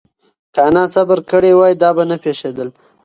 که انا صبر کړی وای، دا به نه پېښېدل.